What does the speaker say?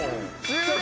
終了！